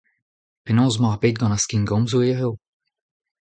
Penaos ʼmañ ar bed gant ar skingomzoù hiziv ?